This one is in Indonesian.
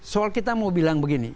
soal kita mau bilang begini